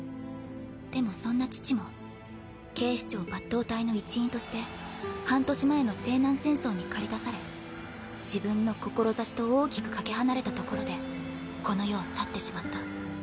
でもそんな父も警視庁抜刀隊の一員として半年前の西南戦争に駆り出され自分の志と大きく懸け離れたところでこの世を去ってしまった。